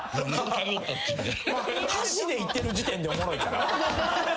箸でいってる時点でおもろいから。